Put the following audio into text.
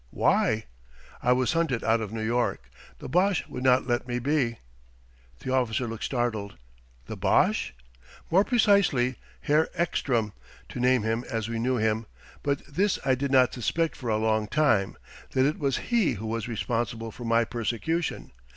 "Why?" "I was hunted out of New York. The Boche would not let me be." The officer looked startled. "The Boche?" "More precisely, Herr Ekstrom to name him as we knew him. But this I did not suspect for a long time, that it was he who was responsible for my persecution.